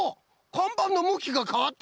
かんばんのむきがかわってる！